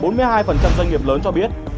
bốn mươi hai doanh nghiệp lớn cho biết